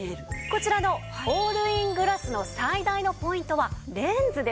こちらのオールイングラスの最大のポイントはレンズです。